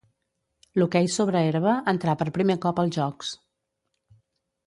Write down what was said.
L'hoquei sobre herba entrà per primer cop als Jocs.